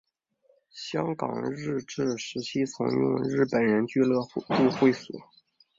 香港日治时期曾用作日本人俱乐部会所。